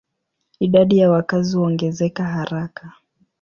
Idadi ya wakazi huongezeka haraka.